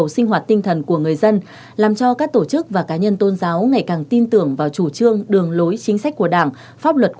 xin chào và hẹn gặp lại